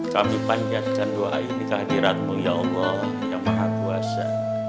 kami panjatkan doa ini kehadiranmu ya allah yang maha kuasa